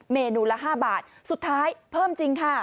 เมนูละ๕บาทสุดท้ายเพิ่มจริงค่ะ